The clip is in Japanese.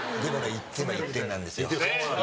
１点は１点なんですよ。